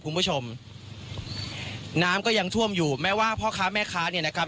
คุณผู้ชมน้ำก็ยังท่วมอยู่แม้ว่าพ่อค้าแม่ค้าเนี่ยนะครับ